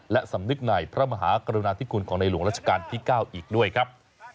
และสำนึกในพระมหากรุณาธิคุณของในหลวงราชการที่๙อีกด้วยครับ